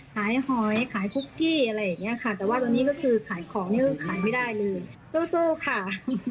ขายหอยขายคุกกี้อะไรอย่างนี้ค่ะแต่ว่าตอนนี้ก็คือขายของไม่ได้เลยก็สู้ค่ะ